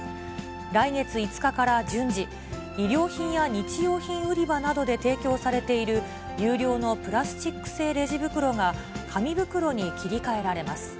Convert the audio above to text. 来月５日から順次、衣料品や日用品売り場などで提供されている、有料のプラスチック製レジ袋が、紙袋に切り替えられます。